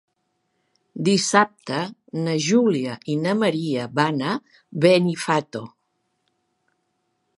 Dissabte na Júlia i na Maria van a Benifato.